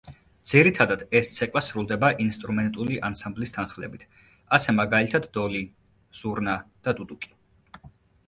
ძირითადად ეს ცეკვა სრულდება ინსტრუმენტული ანსამბლის თანხლებით ასე მაგალითად დოლი, ზურნა და დუდუკი.